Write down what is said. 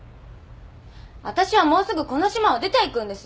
わたしはもうすぐこの島を出て行くんです。